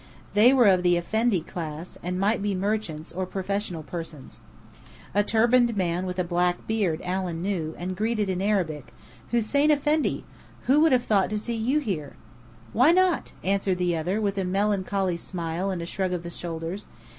They were of the "Effendi class," and might be merchants or professional persons. A turbaned man with a black beard Allen knew, and greeted in Arabic, "Hussein Effendi! Who would have thought to see you here!" "Why not?" answered the other, with a melancholy smile and shrug of the shoulders.